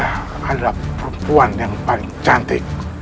adalah perempuan yang paling cantik